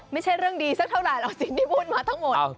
ไม่ใช่เรื่องดีสักเท่าซินทิบุญมาทั้งหมด